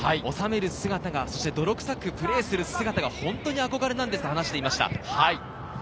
収める姿がそして泥くさくプレーする姿が本当にあこがれなんですと話していました。